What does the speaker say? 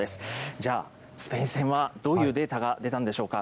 じゃあ、スペイン戦はどういうデータが出たんでしょうか。